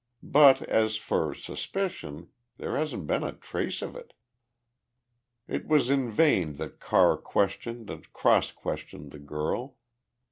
But, as for suspicion there hasn't been a trace of it!" It was in vain that Carr questioned and cross questioned the girl.